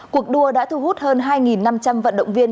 cuộc đua đã thu hút hơn hai năm trăm linh vận động viên